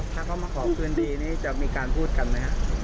ถ้าเขามาขอคืนดีนี้จะมีการพูดกันไหมครับ